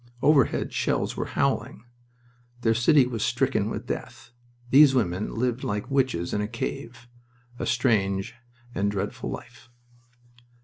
Overhead shells were howling. Their city was stricken with death. These women lived like witches in a cave a strange and dreadful life.